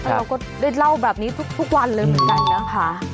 เราก็ได้เล่าแบบนี้ทุกวันเลยเหมือนกันนะคะ